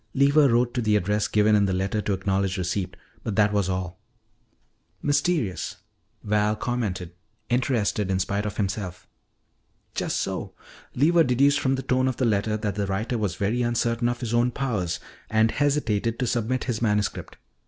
Lever wrote to the address given in the letter to acknowledge receipt, but that was all." "Mysterious," Val commented, interested in spite of himself. "Just so. Lever deduced from the tone of the letter that the writer was very uncertain of his own powers and hesitated to submit his manuscript.